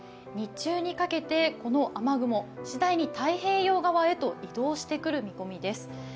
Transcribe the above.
日中にかけてこの雨雲しだいに太平洋側へと移動してくる見込みです。